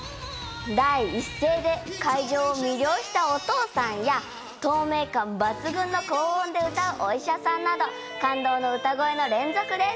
第一声で会場を魅了したお父さんや、透明感抜群の高音で歌う、お医者さんなど感動の歌声の連続です。